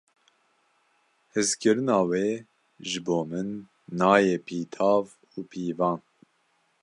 Hezkirina wê ji bo min nayê pîtav û pîvan.